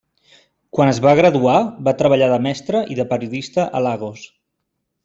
Quan es va graduar, va treballar de mestre i de periodista a Lagos.